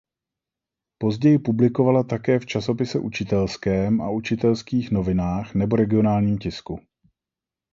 Později publikovala také v "Časopise učitelském" a "Učitelských novinách" nebo regionálním tisku.